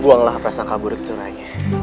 buanglah prasangka buruk itu rai